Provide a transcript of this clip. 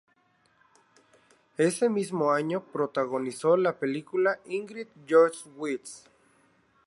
Ese mismo año protagonizó la película "Ingrid Goes West".